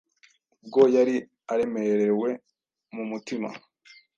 Ubwo yari aremerewe mu mutima,